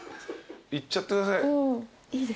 いっちゃってください。